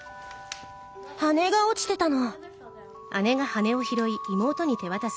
羽根が落ちてたの。